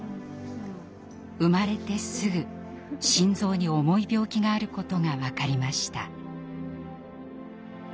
生まれてすぐ心臓に重い病気があることが分かりました。